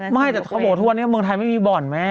ไม่แต่เขาบอกว่าทุกวันนี้เมืองไทยไม่มีบ่อนแม่